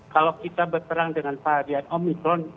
kalau kita berperang dengan varian omikron